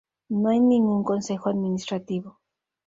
No hay ningún consejo administrativo.